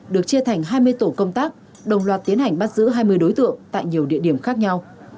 được chia thành hai mươi tổ công tác đồng loạt tiến hành bắt giữ hai mươi đối tượng tại nhiều địa điểm khác nhau